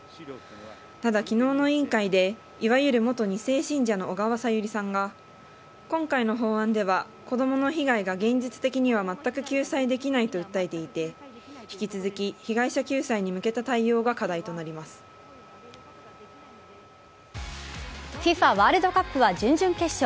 ただ、昨日の委員会でいわゆる元２世信者の小川さゆりさんが今回の法案では子供の被害が現実的にはまったく救済できないと訴えていて引き続き被害者救済に向けたＦＩＦＡワールドカップは準々決勝。